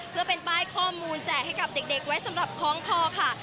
เพื่อเป็นป้ายข้อมูลแจกให้กับเด็กไว้สำหรับคล้องคอค่ะ